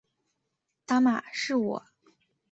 妈妈，是我